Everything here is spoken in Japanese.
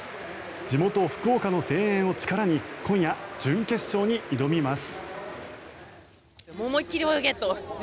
地元・福岡の声援を力に今夜、準決勝に挑みます。